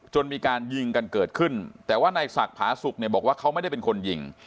มีการยิงกันเกิดขึ้นแต่ว่าในศักดิ์ผาสุกเนี่ยบอกว่าเขาไม่ได้เป็นคนยิง